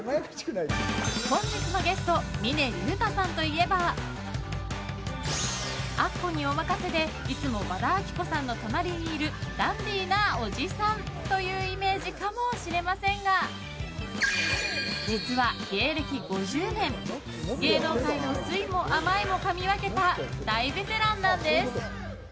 本日のゲスト峰竜太さんといえば「アッコにおまかせ！」でいつも和田アキ子さんの隣にいるダンディーなおじさんというイメージかもしれませんが実は芸歴５０年芸能界の酸いも甘いもかみ分けた大ベテランなんです。